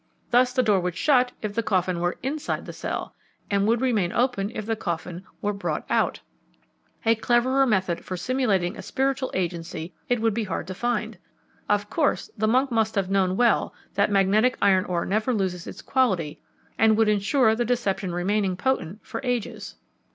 Thus the door would shut if the coffin were inside the cell, and would remain open if the coffin were brought out. A cleverer method for simulating a spiritual agency it would be hard to find. Of course, the monk must have known well that magnetic iron ore never loses its quality and would ensure the deception remaining potent for ages."